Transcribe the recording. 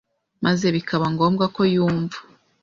maze bikaba ngombwa ko yumva